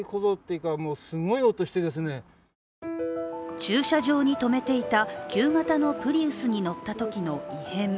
駐車場に止めていた旧型のプリウスに乗ったときの異変。